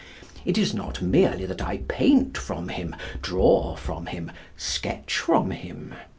It is not merely that I paint from him, draw from him, sketch from him.